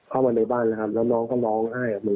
เข้ามาในบ้านแล้วน้องเขาน้องไห้กับมือ